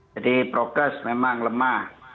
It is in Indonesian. jadi prokes memang lemah